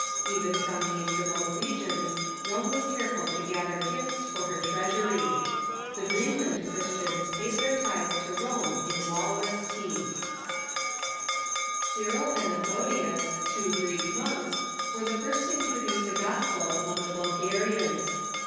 Even from these re mote regions Rome Avas careful to gather gifts for her treas ury. The Greenland Christians paid their tithes to Rome in walrus teetli. Cyril and Methodius, two Greek monks, were the first to introduce the gospel among the Bulgarians.